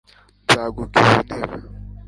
nzagukiza intebe